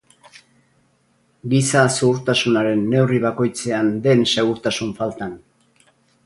Giza zuhurtasunaren neurri bakoitzean den segurtasun faltan.